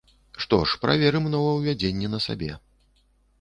Што ж, праверым новаўвядзенні на сабе.